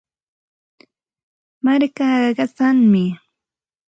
Markaata qasanmi.